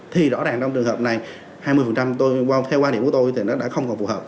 thì rõ ràng trong trường hợp này hai mươi tôi theo quan điểm của tôi thì nó đã không còn phù hợp